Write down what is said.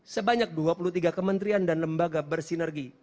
sebanyak dua puluh tiga kementerian dan lembaga bersinergi